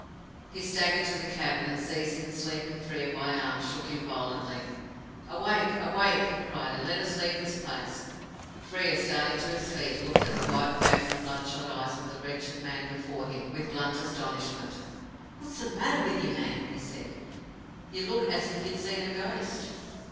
He staggered to the cavern, and, seizing the sleeping Frere by the arm, shook him violently. "Awake! awake!" he cried, "and let us leave this place!" Frere, starting to his feet, looked at the white face and bloodshot eyes of the wretched man before him with blunt astonishment. "What's the matter with you, man?" he said. "You look as if you'd seen a ghost!"